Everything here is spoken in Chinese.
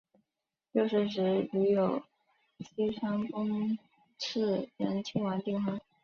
六岁时与有栖川宫炽仁亲王订婚。